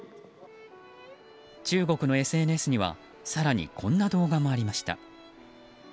中国のＳＮＳには更にこんな動画もありました。